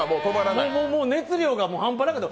もう熱量が半端なかった。